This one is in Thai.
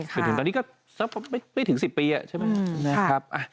ถึงตอนนี้ก็สักประมาณไม่ถึง๑๐ปีอะ